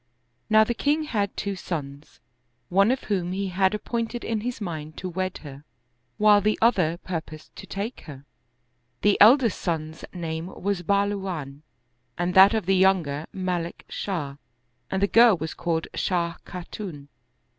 Now the king had two sons, one of whom 66 The Scar on the Throat he had appointed in his mind to wed her, while the other purposed to take her. The elder son's name was Bahlu wan and that of the younger Malik Shah, and the girl was called Shah Khatun.